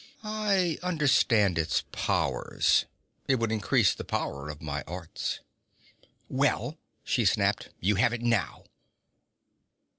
'I understand its powers. It would increase the power of my arts.' 'Well,' she snapped, 'you have it now!'